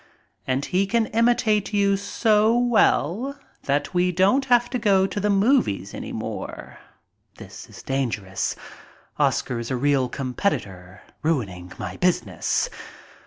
And he can imitate you so well that we don't have to go to the movies any more. [This is dangerous. Oscar is a real competitor, ruining my business.